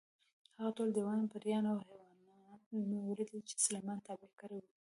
هغه ټول دیوان، پېریان او حیوانات مې ولیدل چې سلیمان تابع کړي وو.